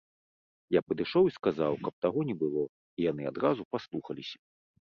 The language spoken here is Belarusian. Я падышоў і сказаў, каб таго не было, і яны адразу паслухаліся.